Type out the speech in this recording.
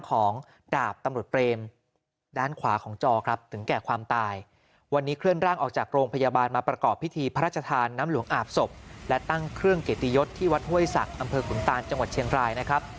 เครื่องเกตยศที่วัดห้วยศักดิ์อำเภอขุนตานจังหวัดเชียงรายนะครับ